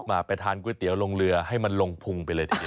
มาไปทานก๋วยเตี๋ยวลงเรือให้มันลงพุงไปเลยทีเดียว